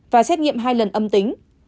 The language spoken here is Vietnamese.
và xét nghiệm hai lần âm tính